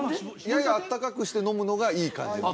ややあったかくして飲むのがいい感じなんですよ